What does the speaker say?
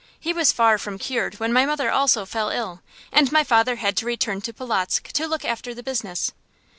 He was far from cured when my mother also fell ill, and my father had to return to Polotzk to look after the business.